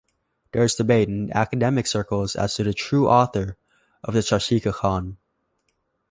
There is debate in academic circles as to the true author of the "Strategikon".